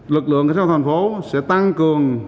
lực lượng cảnh sát giao thông tp hcm sẽ tăng cường